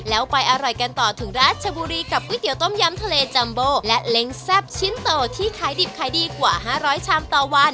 แล้วไปอร่อยกันต่อถึงราชบุรีกับก๋วยเตี๋ต้มยำทะเลจัมโบและเล้งแซ่บชิ้นโตที่ขายดิบขายดีกว่า๕๐๐ชามต่อวัน